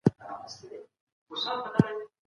هر څوک د خپل باور د ساتلو حق لري.